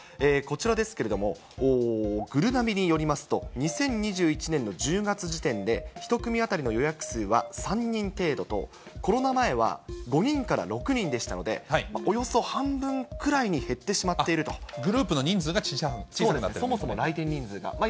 こちらですけれども、ぐるなびによりますと、２０２１年の１０月時点で、１組当たりの予約数は３人程度と、コロナ前は５人から６人でしたので、およそ半分くらいに減ってしグループの人数が小さくなっそもそも来店人数が。